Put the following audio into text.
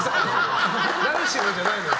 ダルシムじゃないのよ。